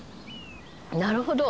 なるほど。